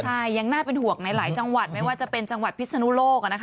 ใช่ยังน่าเป็นห่วงในหลายจังหวัดไม่ว่าจะเป็นจังหวัดพิศนุโลก